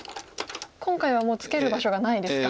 今回はもうツケる場所がないですか。